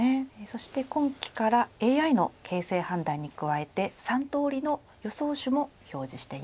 そして今期からＡＩの形勢判断に加えて３通りの予想手も表示しています。